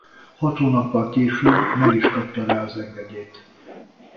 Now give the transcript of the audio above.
Hat hónappal később meg is kapta rá az engedélyt.